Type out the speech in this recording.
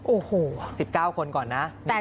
โอ้โห๑๙คนก่อนนะ